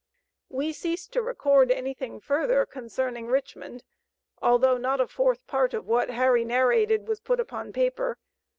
We ceased to record anything further concerning Richmond, although not a fourth part of what Harry narrated was put upon paper.